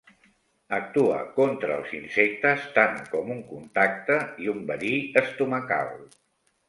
Actua contra els insectes tant com un contacte i un verí estomacal.